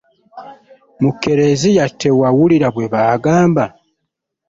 Mu kkereziya tewawulira bwe bagamba?